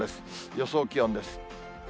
予想気温です。